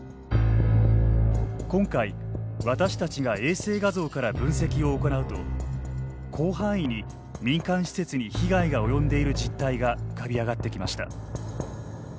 今回、私たちが衛星画像から分析を行うと広範囲に民間施設に被害が及んでいる実態が浮かび上がってきました。